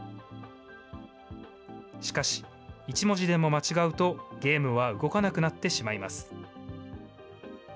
しかし、１文字でも間違うと、ゲームは動かなくなってしまいます。